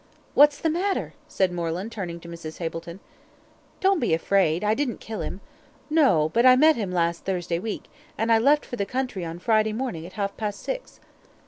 "What's the matter?" said Moreland, turning to Mrs. Hableton. "Don't be afraid; I didn't kill him no but I met him last Thursday week, and I left for the country on Friday morning at half past six."